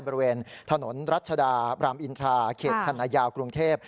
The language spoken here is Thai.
บริเวณถนนรัชดารามอินทราเขตคันนายาวกรุงเทพ